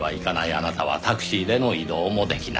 あなたはタクシーでの移動もできない。